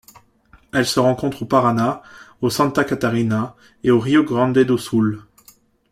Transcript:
Elle se rencontre au Paraná, au Santa Catarina et au Rio Grande do Sul.